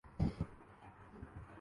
بچھڑے کے سونے کے بت کا ذکر